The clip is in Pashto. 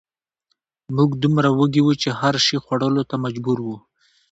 موږ دومره وږي وو چې هر شي خوړلو ته مجبور وو